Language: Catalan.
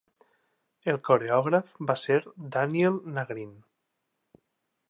El coreògraf va ser Daniel Nagrin.